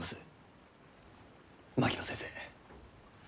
槙野先生